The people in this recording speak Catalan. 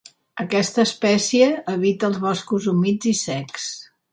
Aquesta espècie habita els boscos humits i secs.